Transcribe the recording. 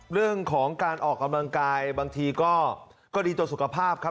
เรื่องของการออกกำลังกายบางทีก็ดีต่อสุขภาพครับ